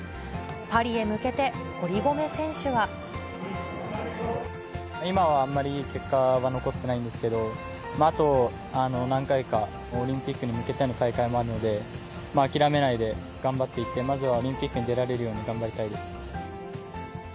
パリへ向けて、今はあんまりいい結果は残せてないんですけど、あと何回か、オリンピックに向けての大会もあるので、諦めないで頑張っていって、まずはオリンピックに出られるように頑張りたいです。